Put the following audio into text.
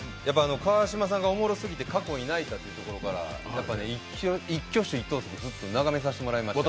川島さんがおもろすぎて過去に泣いたというところから一挙手一投足ながめさせてもらいました。